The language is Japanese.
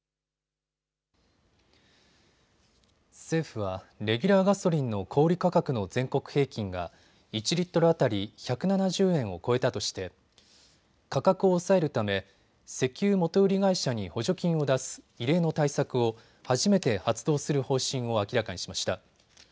政府はレギュラーガソリンの小売価格の全国平均が１リットル当たり１７０円を超えたとして価格を抑えるため石油元売り会社に補助金を出す異例の対策を初めて発動する方針を明らかにしました。